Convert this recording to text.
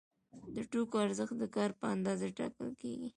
د توکو ارزښت د کار په اندازه ټاکل کیږي.